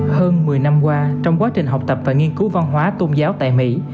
hơn một mươi năm qua trong quá trình học tập và nghiên cứu văn hóa tôn giáo tại mỹ